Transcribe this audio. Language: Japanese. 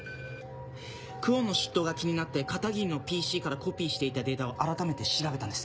久遠の出頭が気になって片桐のＰＣからコピーしていたデータを改めて調べたんです。